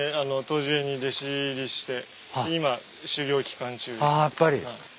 藤樹園に弟子入りして今修業期間中です。